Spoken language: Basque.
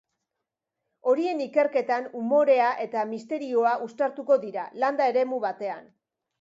Horien ikerketan, umorea eta misterioa uztartuko dira, landa-eremu batean.